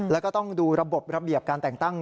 แล้วก็ต้องดูระบบระเบียบการแต่งตั้ง